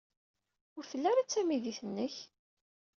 Ur tella ara d tamidit-nnek?